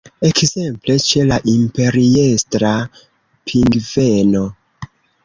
Ekzemple ĉe la Imperiestra pingveno.